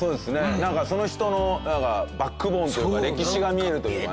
なんかその人のバックボーンというか歴史が見えるというかね。